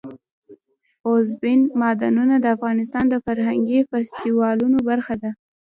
اوبزین معدنونه د افغانستان د فرهنګي فستیوالونو برخه ده.